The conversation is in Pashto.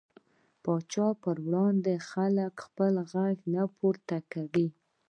پاچا پر وړاندې خلک خپل غږ نه پورته کوي .